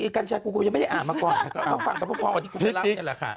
กัญชากูกูยังไม่ได้อ่านมาก่อนฟังกับพวกพ่อที่กูไปรักนี่แหละค่ะ